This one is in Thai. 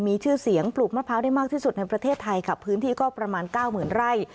มีชื่อเสียงปลูกมะพร้าวได้มากที่สุดในประเทศไทยค่ะพื้นที่ก็ประมาณเก้าหมื่นไร่